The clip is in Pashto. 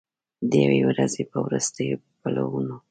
د یوې ورځې په وروستیو پلونو